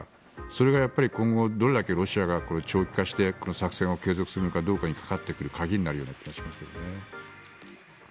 それが今後どれだけロシアが長期化してこの作戦を継続するのかどうかの鍵になる気がしますけどね。